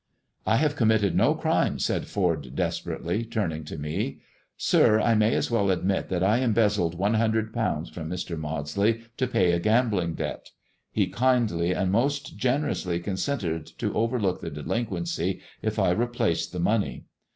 "I have committed no crime," said Ford desperately, turning to me. " Sir, I may as well admit that I embezzled one hundred pounds from Mr. Maudsley to pay a gambling debt. He kindly and most generously consented to over look the delinquency if I replaced the money.